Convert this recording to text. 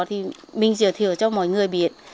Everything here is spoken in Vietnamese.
thì mình giới thiệu cho mọi người biết